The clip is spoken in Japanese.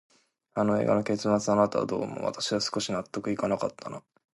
あの映画の結末、あなたはどう思う？私は少し納得いかなかったな。